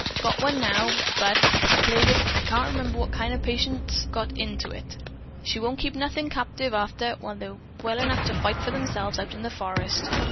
Got one now, but, plague it, I can't remember what kind of patients she's got into it. She won't keep nothin' captive arter they're well enough to fight for themselves out in the forest.